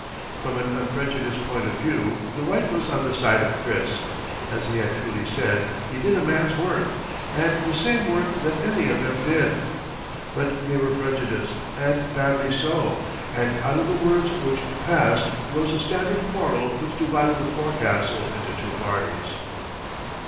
From an unprejudiced point of view, the right was on the side of Chris. As he had truly said, he did a man's work, and the same work that any of them did. But they were prejudiced, and badly so, and out of the words which passed rose a standing quarrel which divided the forecastle into two parties.